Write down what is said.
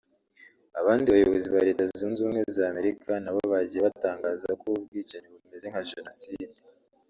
Abandi bayobozi ba Leta Zunze Ubumwe za Amerika nabo bagiye batangaza ko ubu bwicanyi bumeze nka Jenoside